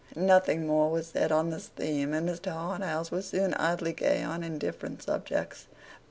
Nothing more was said on this theme, and Mr. Harthouse was soon idly gay on indifferent subjects.